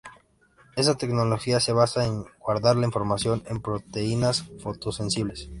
Esta tecnología se basa en guardar la información en proteínas fotosensibles.